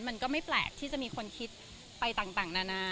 มันก็ไม่แปลกที่จะมีคนคิดไปต่างนานา